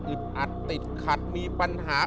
อัดติดขัดมีปัญหา